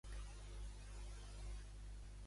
Qui encapçala la presidència de Catalunya?